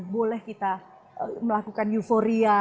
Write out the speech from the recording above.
boleh kita melakukan euforia